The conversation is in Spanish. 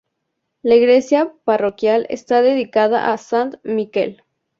La iglesia parroquial está dedicada a Sant Miquel.